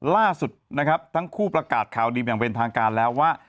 ล่าสุดทั้งคู่ประกาศข่าวดีแบบเป็นทางการแล้วว่า